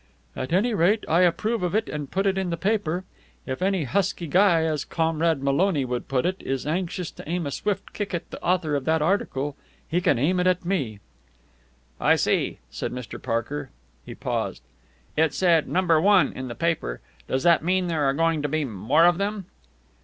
"At any rate, I approve of it and put it in the paper. If any husky guy, as Comrade Maloney would put it, is anxious to aim a swift kick at the author of that article, he can aim it at me." "I see," said Mr. Parker. He paused. "It said 'Number one' in the paper. Does that mean there are going to be more of them?"